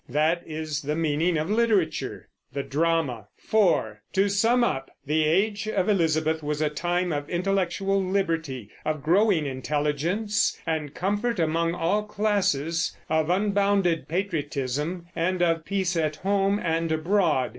That is the meaning of literature. 4. To sum up, the Age of Elizabeth was a time of intellectual liberty, of growing intelligence and comfort among all classes, of unbounded patriotism, and of peace at home and abroad.